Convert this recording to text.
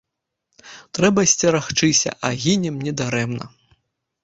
Трэба сцерагчыся, а гінем не дарэмна.